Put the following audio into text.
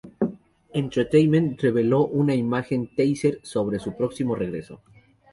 Entertainment reveló una imagen "teaser" sobre su próximo regreso.